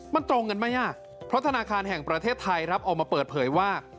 มันตรงกันไหมเพราะธนาคารแห่งประเทศไทยครับออกมาเปิดเผยว่า